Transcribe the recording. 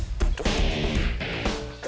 nih pak budi bilang